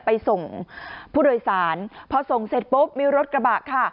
ไปส่งผู้โดยสารพอส่งเสร็จปุ๊บมีรถกระบะค่ะ